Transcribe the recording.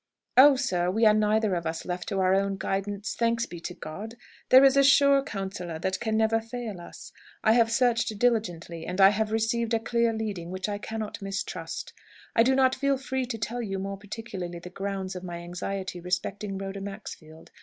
"Oh, sir, we are neither of us left to our own guidance, thanks be to God! There is a sure counsellor that can never fail us. I have searched diligently, and I have received a clear leading which I cannot mistrust. I do not feel free to tell you more particularly the grounds of my anxiety respecting Rhoda Maxfield.